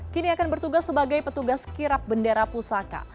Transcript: kini akan bertugas sebagai petugas kirap bendera pusaka